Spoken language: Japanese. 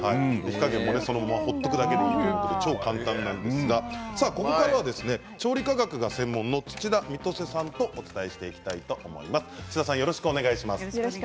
火加減も放っておくだけということで超簡単なんですがここからは調理科学が専門の土田美登世さんとお伝えしたいと思います。